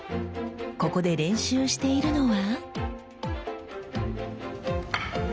ここで練習しているのは？